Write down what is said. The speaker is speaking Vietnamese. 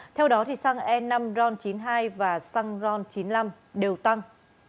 theo đó xăng e năm ron chín mươi hai và xăng ron chín mươi năm đều tăng